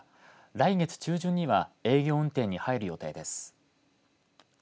来月中旬には営業運転に入る予定です。